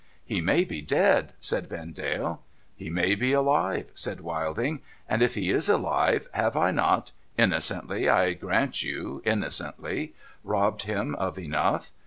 ' He may be dead,' said Yendale. ' He may be alive,' said Wilding. ' And if he is alive, have I not — innocently, I grant you innocently — robbed him of enough